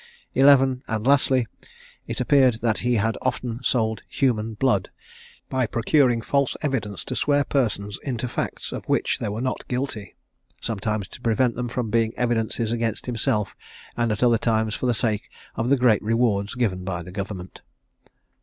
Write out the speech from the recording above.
XI. And, lastly, it appeared that he had often sold human blood, by procuring false evidence to swear persons into facts of which they were not guilty; sometimes to prevent them from being evidences against himself, and at other times for the sake of the great rewards given by the government.